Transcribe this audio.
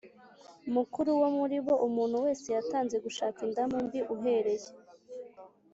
Mukuru wo muri bo umuntu wese yitanze gushaka indamu mbi uhereye